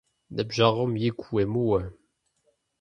Ныбжъэгъум игу уемыуэ.